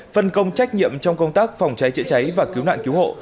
phân công trách nhiệm trong công tác phòng cháy chữa cháy và cứu nạn cứu hộ